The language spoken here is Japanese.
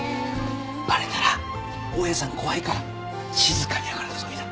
バレたら大家さん怖いから静かに上がるんだぞいいな。